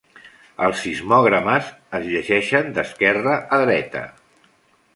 Els sismogrames es llegeixen d"esquerra a dreta.